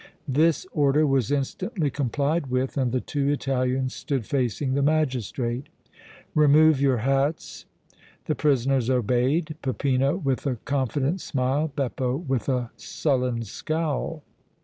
This order was instantly complied with and the two Italians stood facing the magistrate. "Remove your hats." The prisoners obeyed, Peppino with a confident smile, Beppo with a sullen scowl.